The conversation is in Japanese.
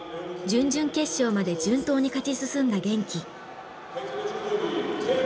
準々決勝まで順当に勝ち進んだ玄暉。